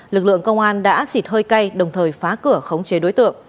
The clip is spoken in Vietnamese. lực lượng công an đã xịt hơi cay đồng thời phá cửa khống chế đối tượng